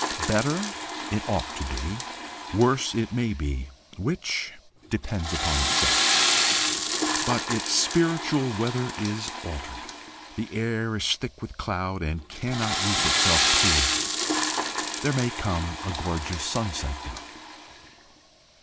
Better it ought to be, worse it may be which, depends upon itself. But its spiritual weather is altered. The air is thick with cloud, and cannot weep itself clear. There may come a gorgeous sunset though.